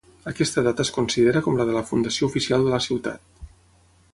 Aquesta data es considera com la de la fundació oficial de la ciutat.